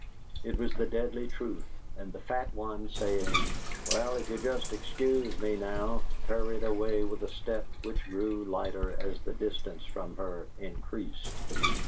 It was the deadly truth, and the fat one, saying, "Well, if you'll just excuse me now," hurried away with a step which grew lighter as the distance from her increased.